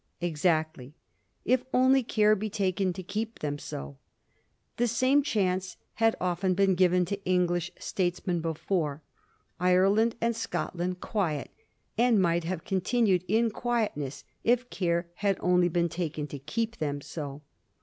Exactly ; if only care be taken to keep them so. The same chance had often been given to English statesmen before ; Ireland and Scotland quiet, and might have continued in quietness if care had only been taken to keep them so.